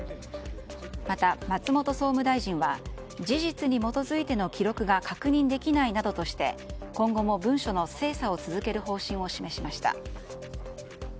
また、松本総務大臣は事実に基づいての記録が確認できないなどとして今後も文書の精査を続ける方針を示しました。